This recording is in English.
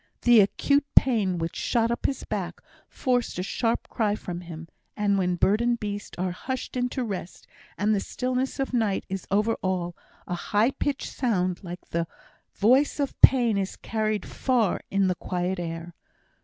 The acute pain which shot up his back forced a short cry from him; and, when bird and beast are hushed into rest and the stillness of the night is over all, a high pitched sound, like the voice of pain, is carried far in the quiet air.